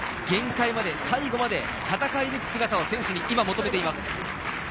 限界まで最後まで戦い抜く姿を選手に今、求めています。